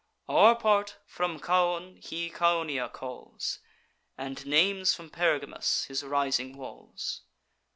Our part, from Chaon, he Chaonia calls, And names from Pergamus his rising walls.